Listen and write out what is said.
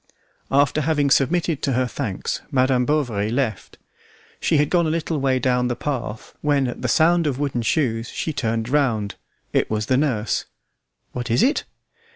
After having submitted to her thanks, Madam Bovary left. She had gone a little way down the path when, at the sound of wooden shoes, she turned round. It was the nurse. "What is it?"